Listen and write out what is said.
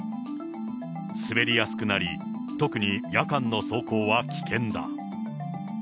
滑りやすくなり、特に夜間の走行は危険だ。